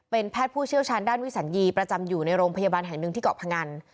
เป็นแพทย์ผู้เชี่ยวชาญด้านวิสัญญีประจำอยู่ในโรงพยาบาลแห่งหนึ่งที่เกาะพงัน